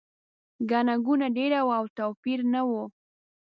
ګڼه ګوڼه ډېره وه او توپیر نه و.